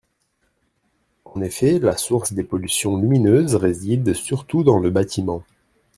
En effet, la source des pollutions lumineuses réside surtout dans le bâtiment.